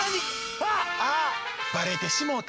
あっバレてしもうた。